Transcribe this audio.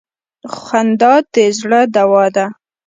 خندا د زړه دوا ده.